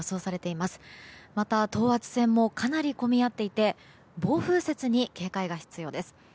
また、等圧線もかなり混み合っていて暴風雪に警戒が必要です。